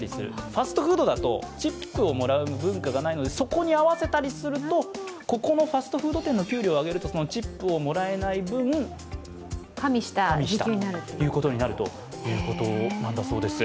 ファストフードだとチップをもらう文化がないので、そこに合わせたりすると、ファストフード店の給料を上げるとチップをもらえない分、加味した時給になるんだそうです。